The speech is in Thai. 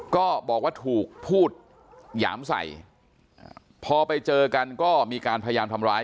ก็บอกว่าถูกพูดหยามใส่พอไปเจอกันก็มีการพยายามทำร้าย